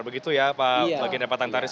begitu ya pak bagi nepatan taris